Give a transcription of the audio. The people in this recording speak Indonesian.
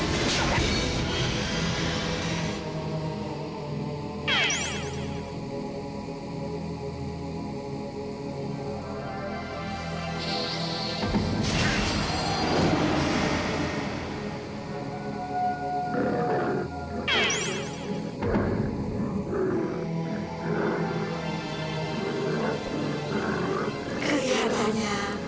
hanya mencari salah